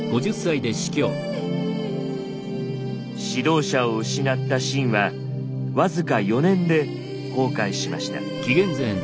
指導者を失った秦は僅か４年で崩壊しました。